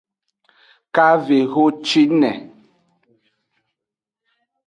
Kavehocine.